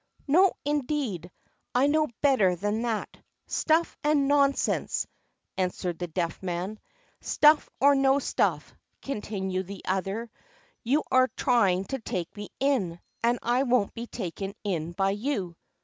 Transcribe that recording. No, indeed; I know better than that." "Stuff and nonsense!" answered the Deaf Man. "Stuff or no stuff," continued the other, "you are trying to take me in, and I won't be taken in by you."